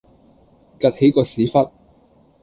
趷起個屎忽